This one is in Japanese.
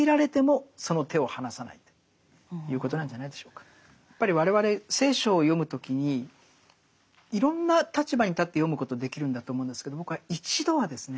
最後までというかやっぱり我々聖書を読む時にいろんな立場に立って読むことできるんだと思うんですけど僕は一度はですね